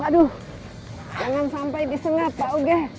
aduh jangan sampai disengat pak uge